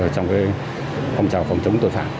trong cái phong trào khác